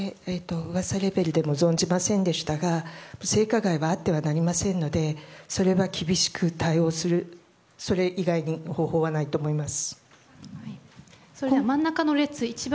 噂レベルでも存じませんでしたが性加害はあってはなりませんのでそれは厳しく対応するそれ以外に方法はないと思います。